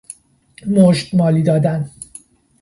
مشتمالی دادن